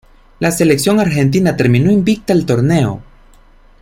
La selección argentina terminó invicta el torneo.